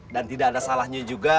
tidak ada salahnya juga